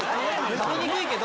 食べにくいけど！